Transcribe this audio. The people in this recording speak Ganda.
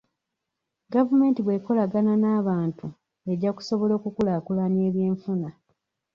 Gavumenti bw'ekolagana n'abantu, ejja kusobola okukulaakulanya eby'enfuna.